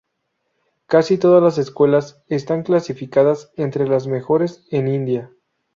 Casi todas las escuelas están clasificadas entre las mejores en India.